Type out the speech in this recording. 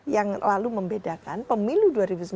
yang lalu membedakan pemilu dua ribu sembilan belas